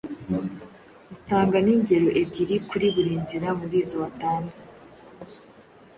utanga n’ingero ebyiri kuri buri nzira muri izo watanze.